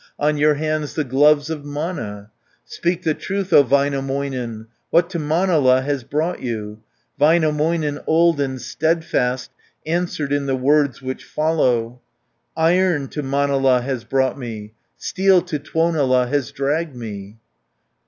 On your hands the gloves of Mana. Speak the truth, O Väinämöinen; What to Manala has brought you?" Väinämöinen, old and steadfast, Answered in the words which follow: "Iron to Manala has brought me, Steel to Tuonela has dragged me."